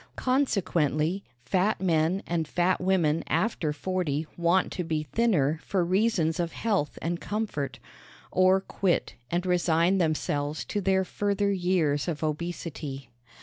Consequently fat men and fat women after forty want to be thinner for reasons of health and comfort, or quit and resign themselves to their further years of obesity.